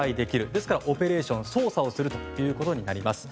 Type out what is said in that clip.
ですからオペレーション操作をするということになります。